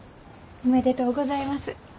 おめでとうございます。